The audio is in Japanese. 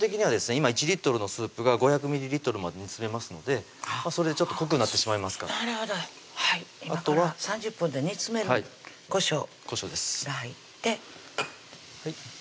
今１リットルのスープが５００ミリリットルまで煮詰めますのでそれで濃くなってしまいますからなるほど今から３０分で煮詰めるこしょうこしょうです